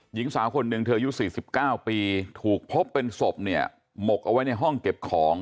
หญิงสาวคนหนึ่งเธออายุ๔๙ปีถูกพบเป็นศพเนี่ยหมกเอาไว้ในห้องเก็บของ